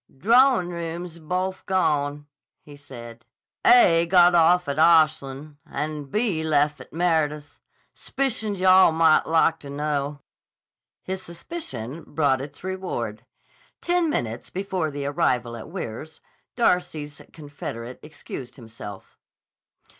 "Drawin' rooms is bofe gone," he said. "A got off at Ashlan' an' B lef' at Meredith. S'pi cioned you all might lak to know." His suspicion brought its reward. Ten minutes before the arrival at Weirs, Darcy's confederate excused himself.